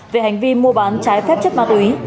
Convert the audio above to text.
về hành vi mua bán trái phép chất ma túy